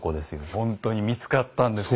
ほんとに見つかったんですよ。